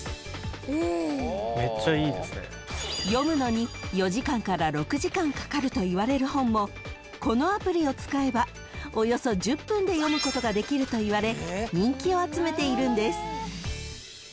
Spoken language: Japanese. ［読むのに４時間から６時間かかるといわれる本もこのアプリを使えばおよそ１０分で読むことができるといわれ人気を集めているんです］